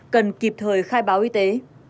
cần kịp thời khai báo y tế